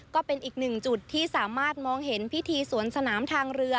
ก็เป็นอีกหนึ่งจุดที่สามารถมองเห็นพิธีสวนสนามทางเรือ